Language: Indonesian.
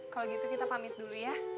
kalau gitu kita pamit dulu ya